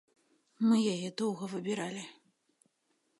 Мы яе доўга выбіралі.